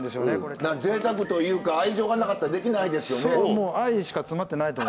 ぜいたくというか愛情がなかったらできないですよね。